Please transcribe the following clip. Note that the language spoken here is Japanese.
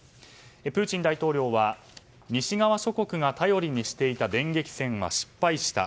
プーチン大統領は西側諸国が頼りにしていた電撃戦は失敗した。